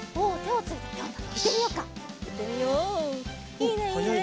いいねいいね！